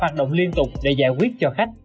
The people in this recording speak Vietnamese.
hoạt động liên tục để giải quyết cho khách